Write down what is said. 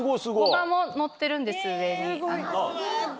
ゴマものってるんです上に。